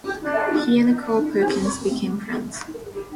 He and Carl Perkins became friends.